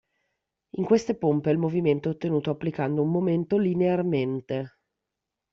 In queste pompe il movimento è ottenuto applicando un momento linearmente.